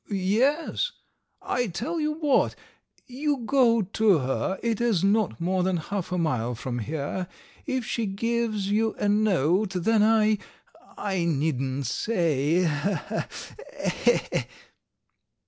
"Yes ... I tell you what, you go to her, it is not more than half a mile from here; if she gives you a note, then I. ... I needn't say!